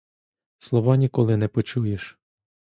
Слова ніколи не почуєш.